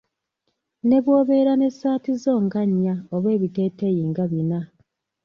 Ne bw'obeera n'essaati zo nga nnya oba ebiteeteeyi nga bina.